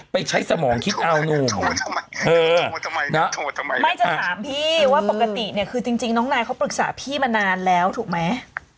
ไม่จะ๓พี่ว่าปกติเนี่ยคือจริงน้องนายเค้าปรึกษาพี่มานานแล้วถูกมั้ย